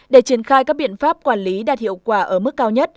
để triển khai các biện pháp quản lý đạt hiệu quả ở mức cao nhất